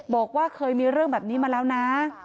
บอกว่าเคยมีเรื่องแบบนี้มาแล้วนะ